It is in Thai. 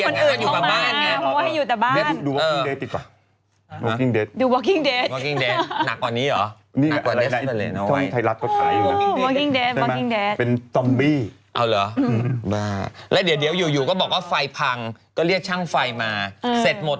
เงินออกเร็วมาก